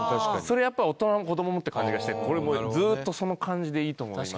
それやっぱり大人も子どももって感じがしてこれもうずっとその感じでいいと思いますね。